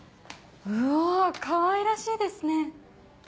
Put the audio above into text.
うわぁかわいらしいですね。